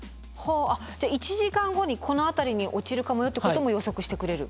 あっじゃあ１時間後にこの辺りに落ちるかもよってことも予測してくれる？